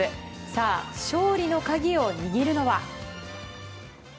さあ、勝利の鍵を握るのは？